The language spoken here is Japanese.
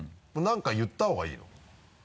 何か言った方がいいの？